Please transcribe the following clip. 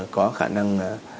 có khả năng